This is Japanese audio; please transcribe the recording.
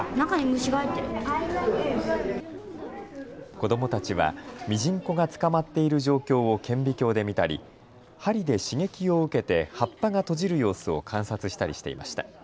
子どもたちはミジンコが捕まっている状況を顕微鏡で見たり、針で刺激を受けて葉っぱが閉じる様子を観察したりしていました。